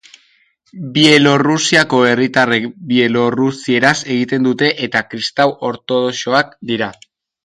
Bielorrusiako herritarrek bielorrusieraz egiten dute eta kristau ortodoxoak dira.